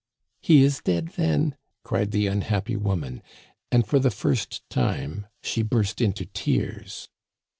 "He is dead, then," cried the unhappy woman ; and for the first time she burst into tears.